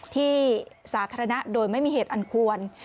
ที่สาธารณะโดยไม่มีเหตุอันควร